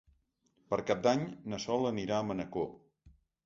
Per Cap d'Any na Sol anirà a Manacor.